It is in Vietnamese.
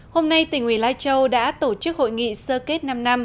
hôm nay tỉnh ủy lai châu đã tổ chức hội nghị sơ kết năm năm